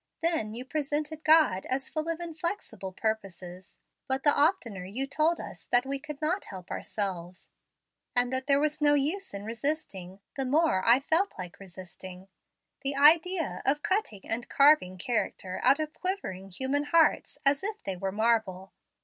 Then you presented God as full of inflexible purposes, but the oftener you told us that we could not help ourselves, and that there was no use in resisting, the move I felt like resisting. The idea of cutting and carving character out of quivering human hearts as if they were marble!